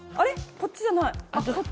こっちじゃないあっ